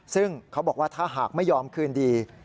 ซึ่งเขาบอกว่าถ้าหากไม่ยอมคืนดี